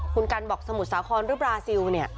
คุณกันบอกสมุทรสาครหรือบราซิลเนี่ย